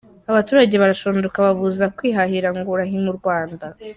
Abaturage barashonje ukababuza kwihahira ngo urahima u Rwanda ?